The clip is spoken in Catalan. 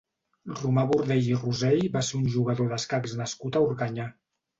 Romà Bordell i Rosell va ser un jugador d'escacs nascut a Organyà.